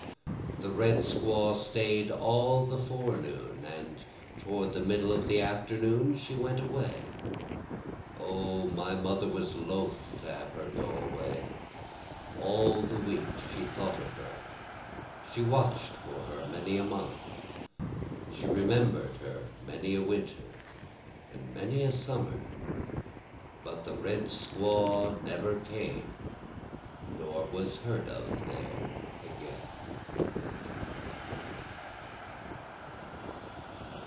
The red squaw staid all the forenoon, and toward the middle of the afternoon she went away, O my mother was loth to have her go away, All the week she thought of her, she watch'd for her many a month, She remember'd her many a winter and many a summer, But the red squaw never came nor was heard of there again.